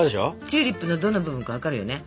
チューリップのどの部分か分かるよね？